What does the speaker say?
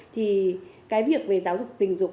thì cái việc về giáo dục tình dục